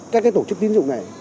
các cái tổ chức tín dụng này